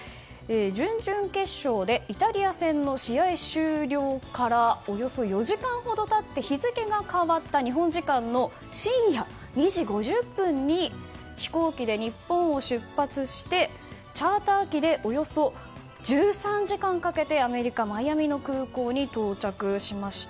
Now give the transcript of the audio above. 準々決勝でイタリア戦の試合終了からおよそ４時間ほど経って日付が変わった日本時間の深夜２時５０分に飛行機で日本を出発してチャーター機でおよそ１３時間かけてアメリカ・マイアミの空港に到着しました。